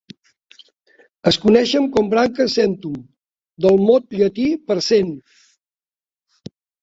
Es coneixen com branques "centum", del mot llatí per "cent".